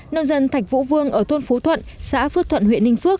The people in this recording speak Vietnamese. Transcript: nông dân thạch vũ vương ở thôn phú thuận xã phước thuận huyện ninh phước